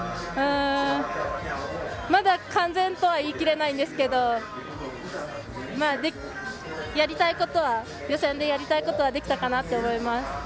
まだ完全とは言い切れないんですけど予選でやりたいことはできたかなと思います。